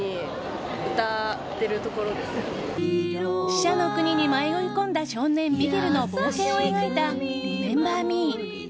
死者の国に迷い込んだ少年ミゲルの冒険を描いた「リメンバー・ミー」。